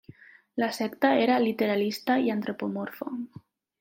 La secta era literalista i antropomorfa.